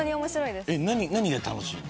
何が楽しいの。